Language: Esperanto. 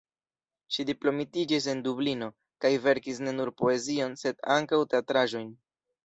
Ŝi diplomitiĝis en Dublino, kaj verkis ne nur poezion, sed ankaŭ teatraĵojn.